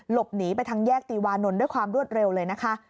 หลบหนีไปทางแยกตีวานนท์ด้วยความรวดเร็วเลยนะคะ